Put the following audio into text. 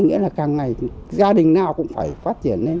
nghĩa là càng ngày gia đình nào cũng phải phát triển lên